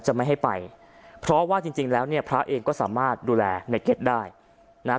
จะไม่ให้ไปเพราะว่าจริงจริงแล้วเนี่ยพระเองก็สามารถดูแลในเก็ตได้นะฮะ